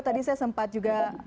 tadi saya sempat juga